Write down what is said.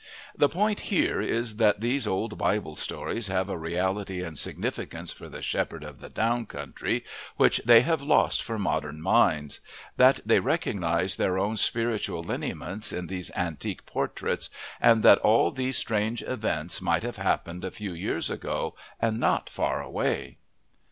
The point here is that these old Bible stories have a reality and significance for the shepherd of the down country which they have lost for modern minds; that they recognize their own spiritual lineaments in these antique portraits, and that all these strange events might have happened a few years ago and not far away.